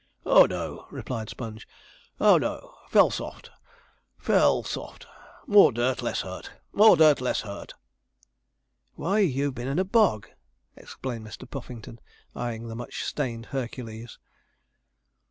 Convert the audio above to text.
'Oh no!' replied Sponge. 'Oh no! fell soft fell soft. More dirt, less hurt more dirt, less hurt.' 'Why, you've been in a bog!' exclaimed Mr. Puffington, eyeing the much stained Hercules.